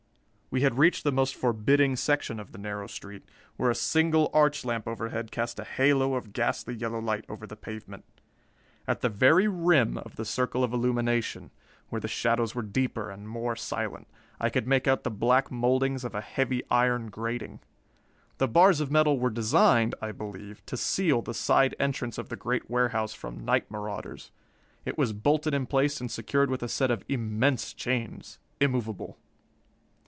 We had reached the most forbidding section of the narrow street, where a single arch lamp overhead cast a halo of ghastly yellow light over the pavement. At the very rim of the circle of illumination, where the shadows were deeper and more silent, I could make out the black mouldings of a heavy iron grating. The bars of metal were designed, I believe, to seal the side entrance of the great warehouse from night marauders. It was bolted in place and secured with a set of immense chains, immovable.